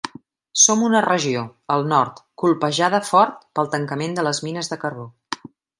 Som a una regió, el Nord, colpejada fort pel tancament de les mines de carbó.